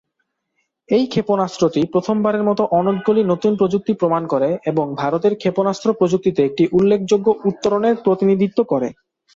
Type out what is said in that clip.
এই ক্ষেপণাস্ত্রটি প্রথমবারের মতো অনেকগুলি নতুন প্রযুক্তি প্রমাণ করে এবং ভারতের ক্ষেপণাস্ত্র প্রযুক্তিতে একটি উল্লেখযোগ্য উত্তরণের প্রতিনিধিত্ব করে।